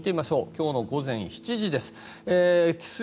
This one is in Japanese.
今日の午前７時です。